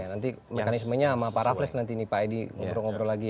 nanti mekanismenya sama pak raffles nanti nih pak edi ngobrol ngobrol lagi ya